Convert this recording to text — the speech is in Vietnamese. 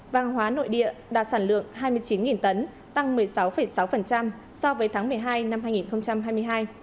vàng hóa nội địa đạt sản lượng hai mươi chín tấn tăng một mươi sáu sáu so với tháng một mươi hai năm hai nghìn hai mươi hai